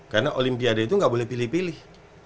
karena olimpiade itu gak boleh pilih pilih